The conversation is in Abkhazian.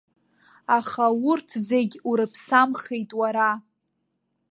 Аха урҭ зегь урыԥсамхеит уара!